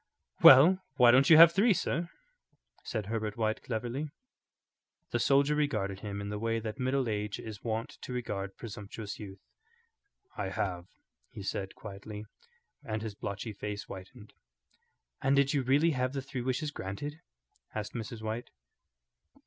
"Well, why don't you have three, sir?" said Herbert White, cleverly. The soldier regarded him in the way that middle age is wont to regard presumptuous youth. "I have," he said, quietly, and his blotchy face whitened. "And did you really have the three wishes granted?" asked Mrs. White.